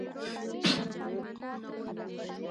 وطن د هر رنګ او ژبې خلکو کور دی.